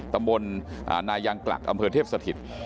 ตำรวจนายังกลักษณ์อำเภอเทพสถิตย์